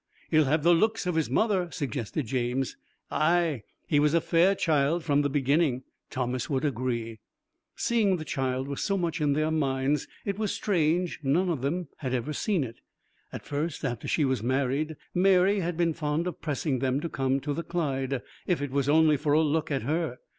'He'll have the looks of his mother,' suggested James. 'Ay: he was a fair child from the beginning,' Thomas would agree. Seeing the child was so much in their minds it was strange none of them had ever seen it. At first after she was married Mary had been fond of pressing them to come to the Clyde, if it was only for a look at her.